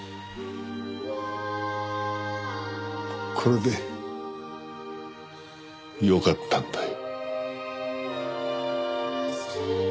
これでよかったんだよ。